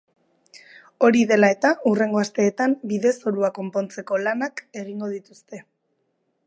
Hori dela eta, hurrengo asteetan bide-zorua konpontzeko lanak egingo dituzte.